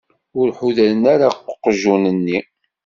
Ur ḥudren ara aqjun-nni?